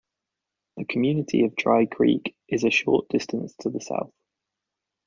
The community of Dry Creek is a short distance to the south.